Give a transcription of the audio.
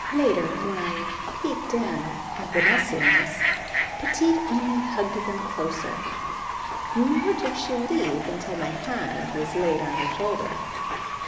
Later, when I "peeked in" at the nestlings, Petite only hugged them closer, nor did she leave until my hand was laid on her shoulder.